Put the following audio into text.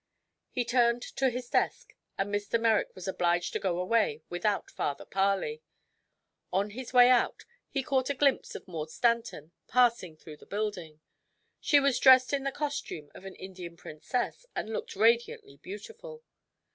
He turned to his desk and Mr. Merrick was obliged to go away without farther parley. On his way out he caught a glimpse of Maud Stanton passing through the building. She was dressed in the costume of an Indian princess and looked radiantly beautiful.